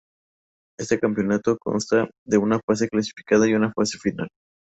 Este campeonato consta de una fase clasificatoria y una fase final.